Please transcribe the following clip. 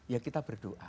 ya kita berdoa